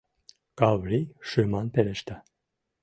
— Каврий шыман пелешта.